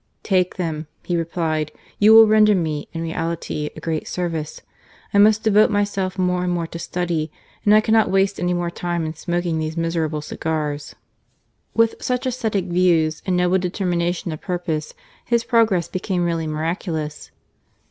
"Take them," he replied ; "you will render me, in reality, a great service. I must devote jnyself more and more to study, and I cannot waste any more time in smoking these miserable cigars." With such ascetic views and noble determina tion of purpose, his progress became really mira culous.